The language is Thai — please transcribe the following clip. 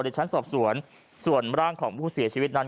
ชั้นสอบสวนส่วนร่างของผู้เสียชีวิตนั้น